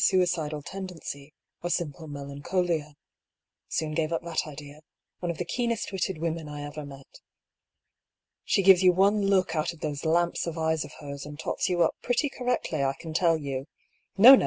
167 suicidal tendency, or simple melancholia. Soon gave np that idea— one of the keenest witted women I ever met. She gives yon one look out of those lamps of eyes of hers, and tots you up pretty correctly, I can tell you. No, no